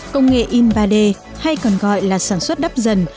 công nghệ in ba d hay còn gọi là sản xuất đắp dần